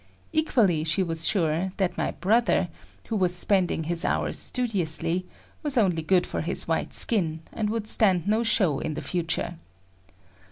Equally she was sure that my brother, who was spending his hours studiously, was only good for his white skin, and would stand no show in the future.